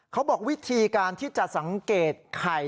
เขาบอกวิธีการที่จะสังเกตไข่